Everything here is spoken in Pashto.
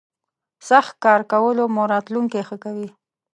سخت کار کولو مو راتلوونکی ښه کوي.